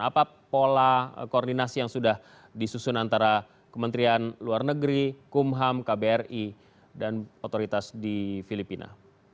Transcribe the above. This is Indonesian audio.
apa pola koordinasi yang sudah disusun antara kementerian luar negeri kumham kbri dan otoritas di filipina